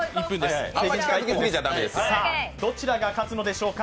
どちらが勝つのでしょうか。